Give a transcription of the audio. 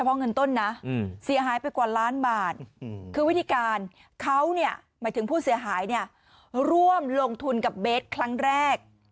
เพราะเงินต้นนะเสียหายไปกว่าล้านบาทคือวิธีการเขาเนี่ยหมายถึงผู้เสียหายเนี่ยร่วมลงทุนกับเบสครั้งแรก